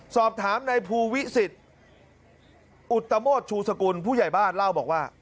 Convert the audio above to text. สอบถามในภูวิสิทธิ์อุตโมทชูสกุลผู้ใหญ่บ้านเล่าบอกว่า